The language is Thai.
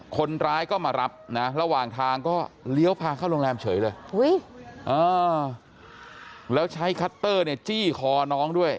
คนร้ายก็มารับนะระหว่างทางก็เลี้ยวพาเข้าโรงแรมเฉยเลยแล้วใช้คัตเตอร์เนี่ยจี้คอน้องด้วย